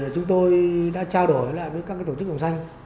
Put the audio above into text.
chúng tôi đã trao đổi với các tổ chức gồm xanh